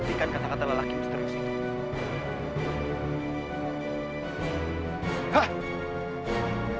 dia sangat mencintai arum dalu